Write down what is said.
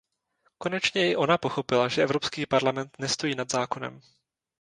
Konečně i ona pochopila, že Evropský parlament nestojí nad zákonem.